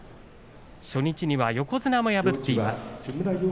初日に横綱を破っています。